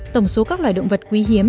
tổng số các loài động vật quý hiếm